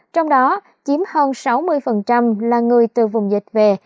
trong đó chiếm hơn sáu mươi là người từ vùng dịch về